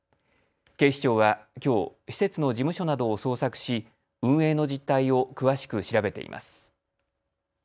警視庁はきょう施設の事務所などを捜索し運営の実態を詳しく調べています。